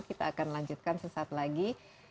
kita akan lanjutkan sesaat lagi